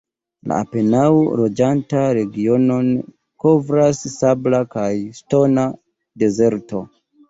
La apenaŭ loĝatan regionon kovras sabla kaj ŝtona dezerto.